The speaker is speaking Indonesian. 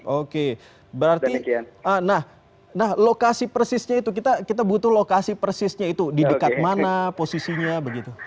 oke berarti nah lokasi persisnya itu kita butuh lokasi persisnya itu di dekat mana posisinya begitu